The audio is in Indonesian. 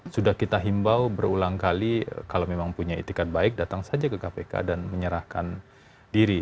sudah kita himbau berulang kali kalau memang punya etikat baik datang saja ke kpk dan menyerahkan diri